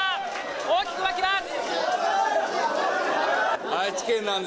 大きく沸きます！